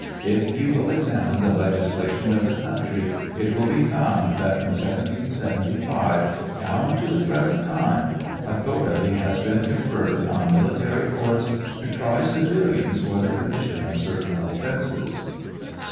If you will examine the legislation of the country, it will be found that from 1775 down to the present time, authority has been conferred upon military courts to try civilians for the commission of certain offences.